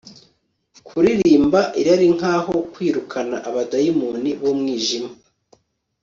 Kuririmba irari nkaho kwirukana abadayimoni bumwijima